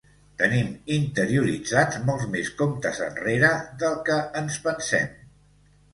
Tenim interioritzats molts més comptes enrere del que ens pensem.